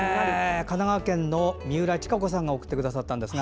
神奈川県の三浦親子さんが送ってくださったんですが。